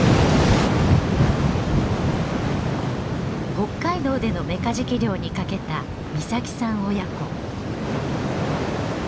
北海道でのメカジキ漁に賭けた岬さん親子。